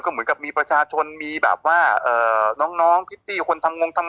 ก็เป็นเพราะว่ารถดำนั่นแหละก็บอกว่าไปทำกับกันชัยมา